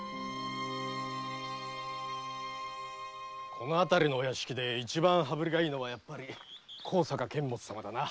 この辺りのお屋敷で一番羽振りがいいのはやっぱり高坂監物様だ。